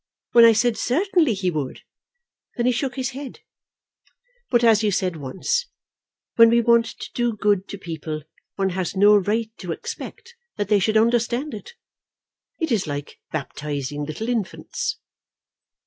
When I said certainly he would, then he shook his head. But as you said once, when we want to do good to people one has no right to expect that they should understand it. It is like baptizing little infants.